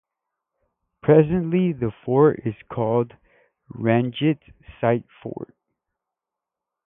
Presently, the fort is called Ranjit Singh Fort.